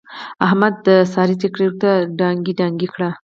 احمد د سارې ټیکری ورته دانګې دانګې کړ.